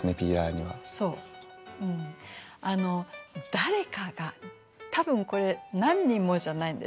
「誰か」が多分これ何人もじゃないんですよ。